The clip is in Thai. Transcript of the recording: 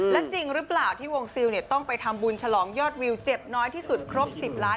และจริงหรือเปล่าที่วงซิลต้องไปทำบุญฉลองยอดวิวเจ็บน้อยที่สุดครบ๑๐ล้าน